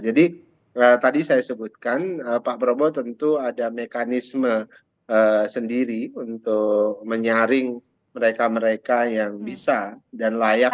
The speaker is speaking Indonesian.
jadi tadi saya sebutkan pak prabowo tentu ada mekanisme sendiri untuk menyaring mereka mereka yang bisa dan layak